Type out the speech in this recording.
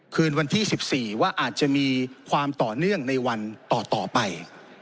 คืนวันที่๑๔ว่าอาจจะมีความต่อเนื่องในวันต่อไป